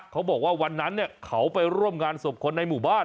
เขาบอกว่าวันนั้นเขาไปร่วมงานศพคนในหมู่บ้าน